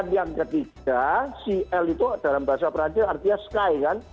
dan yang ketiga cl itu dalam bahasa perancis artinya sky kan